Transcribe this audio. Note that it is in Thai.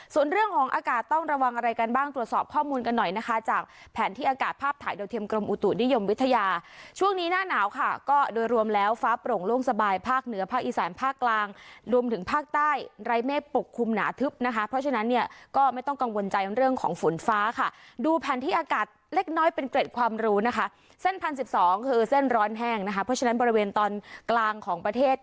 ส่วนเรื่องของอากาศต้องระวังอะไรกันบ้างตรวจสอบข้อมูลกันหน่อยนะคะจากแผนที่อากาศภาพถ่ายโดยเทียมกรมอุตุนิยมวิทยาช่วงนี้หน้าหนาวค่ะก็โดยรวมแล้วฟ้าปลงโล่งสบายภาคเหนือภาคอีสานภาคกลางรวมถึงภาคใต้ไรเมฆปกคุมหนาทึบนะคะเพราะฉะนั้นเนี่ยก็ไม่ต้องกังวลใจเรื่องของฝุ่น